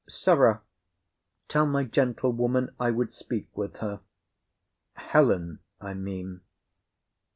Sirrah, tell my gentlewoman I would speak with her; Helen I mean.